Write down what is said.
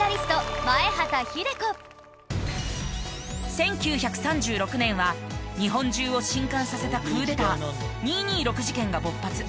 １９３６年は日本中を震撼させたクーデター二・二六事件が勃発。